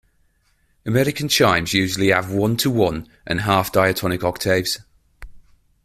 American chimes usually have one to one and a half diatonic octaves.